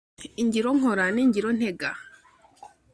Ingiro nkora n ingiro ntega